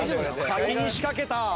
先に仕掛けた。